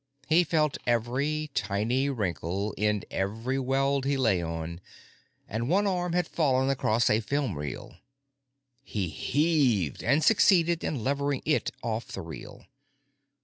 He felt every tiny wrinkle in every weld he lay on, and one arm had fallen across a film reel. He heaved, and succeeded in levering it off the reel.